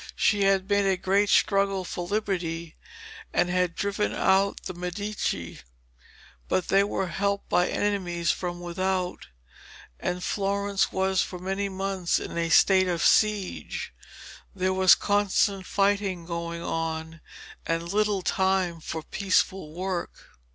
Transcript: She had made a great struggle for liberty and had driven out the Medici, but they were helped by enemies from without, and Florence was for many months in a state of siege. There was constant fighting going on and little time for peaceful work.